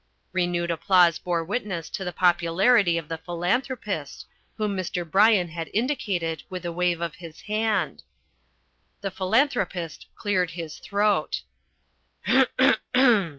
Renewed applause bore witness to the popularity of The Philanthropist, whom Mr. Bryan had indicated with a wave of his hand. The Philanthropist cleared his throat.